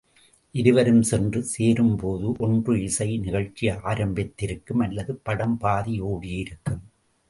இருவரும் சென்று சேரும்போது ஒன்று இசை நிகழ்ச்சி ஆரம்பித்திருக்கும் அல்லது படம் பாதி ஒடியிருக்கும்.